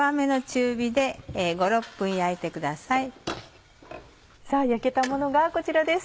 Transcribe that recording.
さぁ焼けたものがこちらです。